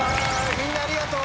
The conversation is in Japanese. みんなありがとう。